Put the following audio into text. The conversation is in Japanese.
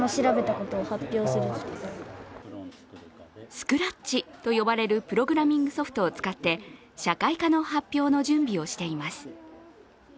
スクラッチと呼ばれるプログラミングソフトを使って社会科の発表の準備をしています。